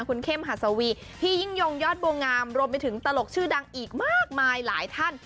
คุณเข้มหัสวีพี่ยิ่งยงยอดบัวงามรวมไปถึงตลกชื่อดังอีกมากมายหลายท่าน